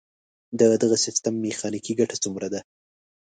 د دغه سیستم میخانیکي ګټه څومره ده؟